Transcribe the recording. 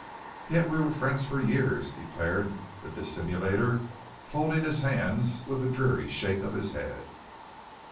"Yet we were friends for years," declared the dissimulator, folding his hands with a dreary shake of his head.